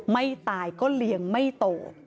ไม่ตายก็เลี้ยงไม่โต